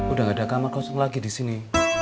udah gak ada kamar kosong lagi disini